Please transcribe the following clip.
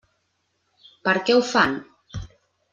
Per què ho fan?